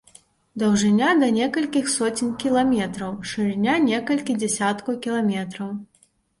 Даўжыня да некалькіх соцень кіламетраў, шырыня некалькі дзясяткаў кіламетраў.